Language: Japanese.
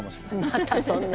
またそんな。